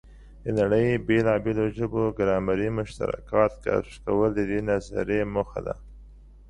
د نړۍ بېلابېلو ژبو ګرامري مشترکات کشف کول د دې نظریې موخه ده.